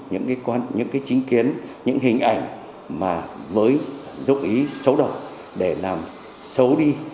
những cái chính kiến những hình ảnh mà với dốc ý xấu độc để làm xấu đi